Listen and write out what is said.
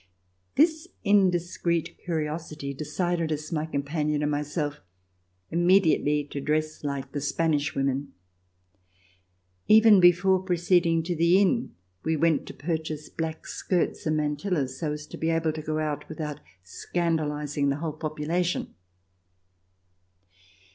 This indiscreet curiosity decided us, my companion and myself, immediately to dress like the Spanish women. Even before proceeding to the inn, we went to purchase black skirts and mantillas so as to be able to go out without scandalizing the whole popula tion.